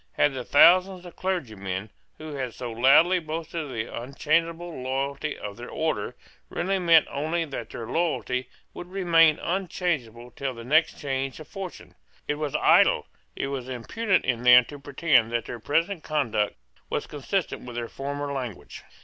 Had the thousands of clergymen, who had so loudly boasted of the unchangeable loyalty of their order, really meant only that their loyalty would remain unchangeable till the next change of fortune? It was idle, it was impudent in them to pretend that their present conduct was consistent with their former language.